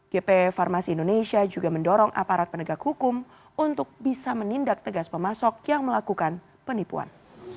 gp farmasi indonesia juga mendorong aparat penegak hukum untuk bisa menindak tegas pemasok yang melakukan penipuan